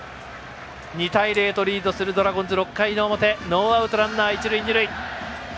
２対０とリードするドラゴンズ６回の表、ノーアウトランナー、一塁二塁。